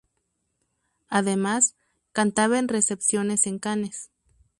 Además, cantaba en recepciones en Cannes.